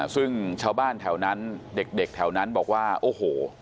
ซึ่งชาวบ้านแถวนั้นเด็กแถวนั้นบอกว่าโอ้โห